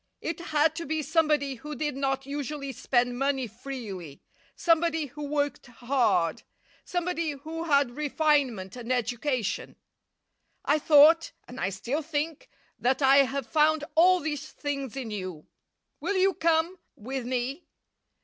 It had to be somebody who did not usually spend money freely; somebody who worked hard; somebody who had refinement and education. I thought, and I still think, that I have found all these things in you. Will you come with me?